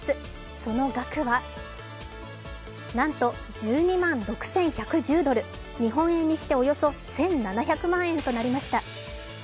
その額はなんと１２万６１１０ドル日本円にしておよそ１７００万円となりました。